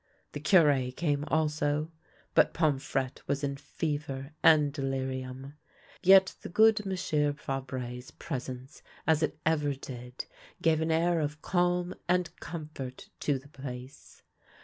The Cure came also, but Pomfrette was in fever and delirium. Yet the good M. Fabre's pres ence, as it ever did, gave an air of calm and comfort to the place.